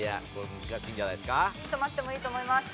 ヒント待ってもいいと思います。